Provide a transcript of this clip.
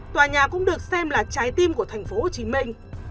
tòa nhà cũng được xem là trái tim của thành phố hồ chí minh